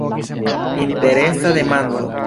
Interesa demando!